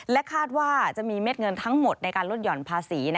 คาดว่าจะมีเม็ดเงินทั้งหมดในการลดหย่อนภาษี